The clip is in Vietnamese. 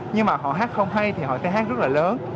nhưng mà họ hát không hay thì họ thấy hát rất là lớn